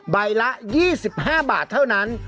ใบละ๒๕บาทเท่านั้น